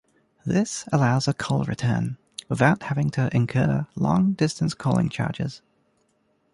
This allows a call return without having to incur long distance calling charges.